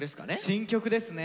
新曲ですね。